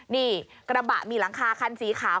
นี่กระบะมีหลังคาคันสีขาว